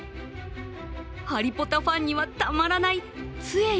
ハリポタファンにはたまらない